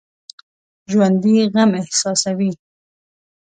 ژوندي غم احساسوي